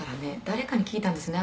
誰かに聞いたんですね